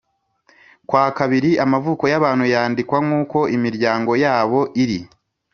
kwa kabiri amavuko y’abantu yandikwa nk’uko imiryango yabo iri